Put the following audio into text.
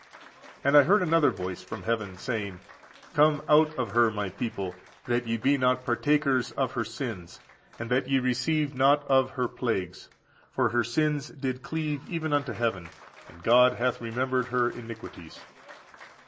And I heard another voice from heaven, saying, Come out of her, my people, that ye be not partakers of her sins, and that ye receive not of her plagues: for her sins did cleave even unto heaven,14791479 ἐκολλήθησαν, for the received ἠκολούθησαν. and God hath remembered her iniquities.